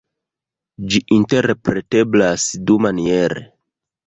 Ĝi interpreteblas dumaniere.